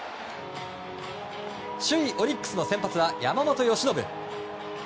首位オリックスの先発は山本由伸。